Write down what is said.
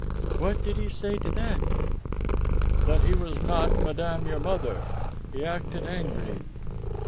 "What did he say to that?" "That he was not madame your mother. He acted angry."